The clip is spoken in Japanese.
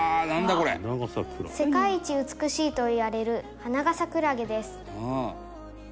これ」「ハナガサクラゲ」「世界一美しいといわれるハナガサクラゲです」